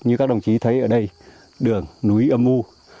như các đồng chí thấy ở đây đường núi âm mưu